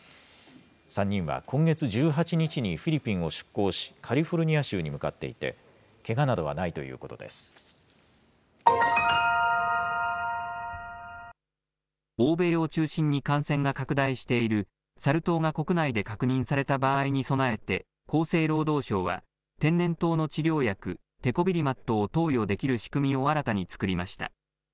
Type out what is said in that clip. ３人は今月１８日にフィリピンを出港し、カリフォルニア州に向かっていて、けがなどはないという欧米を中心に感染が拡大している、サル痘が国内で確認された場合に備えて、厚生労働省は、天然痘の治療薬、テコビリマットを投与できる仕組みを新たに作りました。